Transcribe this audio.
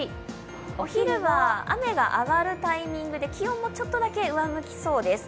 お昼は雨が上がるタイミングで気温もちょっとだけ上向きそうです。